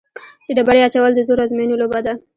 د ډبرې اچول د زور ازموینې لوبه ده.